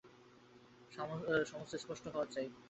সমস্ত স্পষ্ট হওয়া চাই তো।